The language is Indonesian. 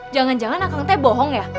jangan jangan akang teh bohong ya